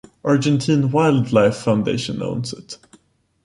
Argentine Wildlife Foundation owns it.